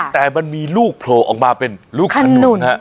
แต่มันมีลูกโผล่ออกมาเป็นลูกขนุนฮะ